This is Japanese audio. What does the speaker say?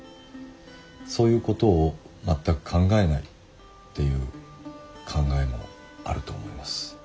そういうことを全く考えないっていう考えもあると思います。